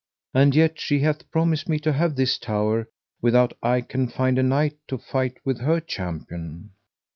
And yet she hath promised me to have this tower, without I can find a knight to fight with her champion.